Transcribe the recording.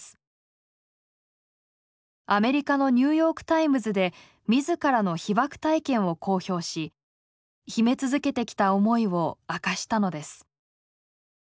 アメリカの「ニューヨーク・タイムズ」で自らの被爆体験を公表し秘め続けてきた思いを明かしたのです。